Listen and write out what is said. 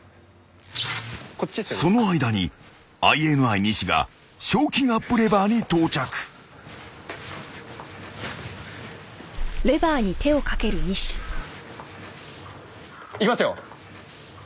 ［その間にＩＮＩ西が賞金アップレバーに到着］いきますよ。